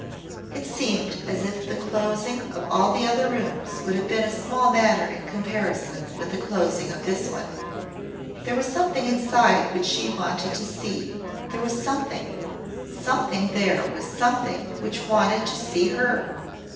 It seemed as if the closing of all the other rooms would have been a small matter in comparison with the closing of this one. There was something inside which she wanted to see there was something somehow there was something which wanted to see her.